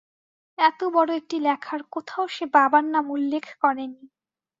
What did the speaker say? এত বড় একটি লেখার কোথাও সে বাবার নাম উল্লেখ করেনি।